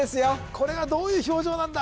これはどういう表情なんだ？